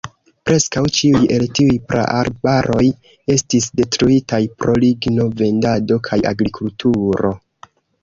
Preskaŭ ĉiuj el tiuj praarbaroj estis detruitaj pro ligno-vendado kaj agrikulturo.